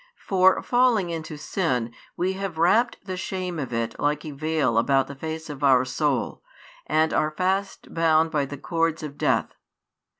For, falling into sin, we have wrapped the shame of it like a veil about the face of our soul, and are fast bound by the cords of death.